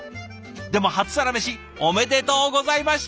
でも初サラメシおめでとうございました。